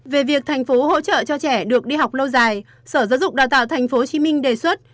về việc thành phố hỗ trợ cho trẻ được đi học lâu dài sở giáo dục đào tạo tp hcm đề xuất